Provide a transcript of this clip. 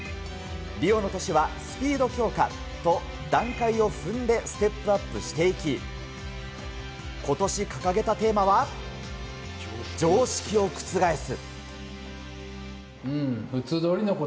リオの年はスピード強化と、段階を踏んでステップアップしていき、今年掲げたテーマは、常識を覆す。